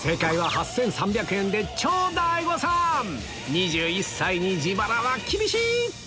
２１歳に自腹は厳しい！